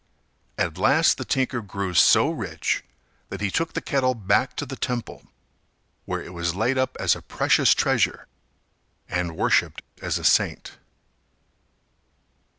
At last the tinker grew so rich that he took the kettle back to the temple, where it was laid up as a precious treasure and worshiped as a saint.